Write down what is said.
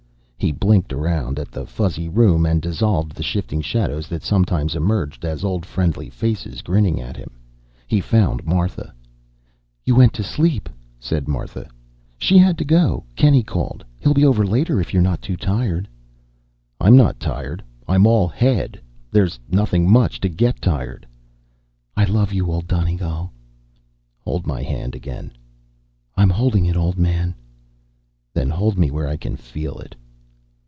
He blinked around at the fuzzy room, and dissolved the shifting shadows that sometimes emerged as old friendly faces, grinning at him. He found Martha. "You went to sleep," said Martha. "She had to go. Kennie called. He'll be over later, if you're not too tired." "I'm not tired. I'm all head. There's nothing much to get tired." "I love you, Old Donegal." "Hold my hand again." "I'm holding it, old man." "Then hold me where I can feel it."